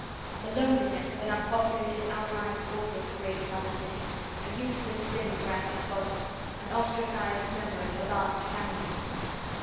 The loneliness of an unpopulated outlying quarter of the great mother city, a useless limb of her active body, an ostracised member of her vast family.